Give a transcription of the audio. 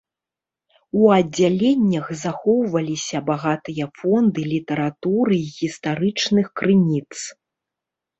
У аддзяленнях захоўваліся багатыя фонды літаратуры і гістарычных крыніц.